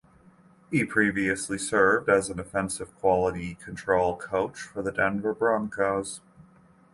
He previously served as an offensive quality control coach for the Denver Broncos.